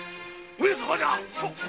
上様じゃ！